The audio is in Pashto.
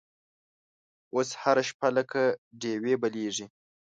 اوس هره شپه لکه ډیوې بلیږې